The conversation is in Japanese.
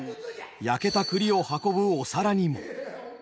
焼けた栗を運ぶお皿にも。